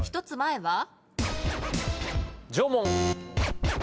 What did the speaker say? １つ前は？